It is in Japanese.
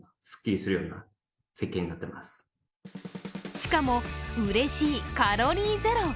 しかも、うれしいカロリーゼロ。